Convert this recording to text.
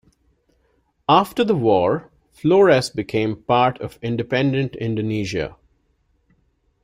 After the war Flores became part of independent Indonesia.